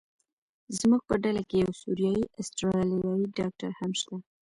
زموږ په ډله کې یو سوریایي استرالیایي ډاکټر هم شته.